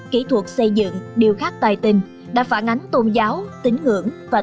kỹ thuật xây dựng điều khác tài tình đã phản ánh tôn giáo tính ngưỡng và